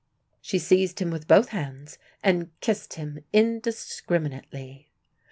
She seized him with both hands, and kissed him indiscriminately.